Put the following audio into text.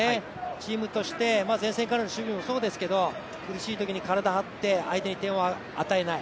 チームとして、前線からの守備もそうですけど苦しいときに体を張って、相手に点を与えない。